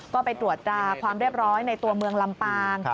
ก็ไปตรวจตราความเรียบร้อยในตัวเมืองลำปาง